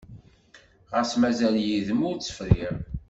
Xas mazal yid-m ur tt-friɣ.